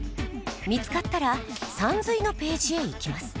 見つかったら「さんずい」のページへいきます。